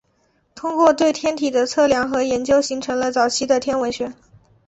通过对天体的测量和研究形成了早期的天文学。